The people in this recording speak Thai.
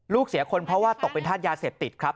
เสียคนเพราะว่าตกเป็นธาตุยาเสพติดครับ